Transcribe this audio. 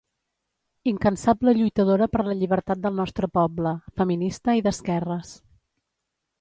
Incansable lluitadora per la llibertat del nostre poble, feminista i d'esquerres.